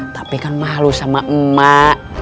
tapi kan malu sama emak